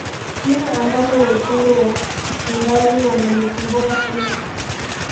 jina ambalo wekundu wa msimbazi wanalikumbuka sana